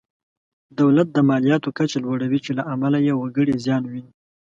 دولت د مالیاتو کچه لوړوي چې له امله یې وګړي زیان ویني.